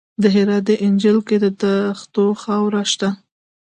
د هرات په انجیل کې د خښتو خاوره شته.